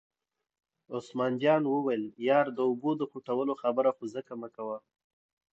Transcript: عثمان جان وویل: یار د اوبو د خوټولو خبره خو ځکه مکوه.